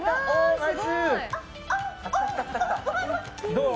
どう？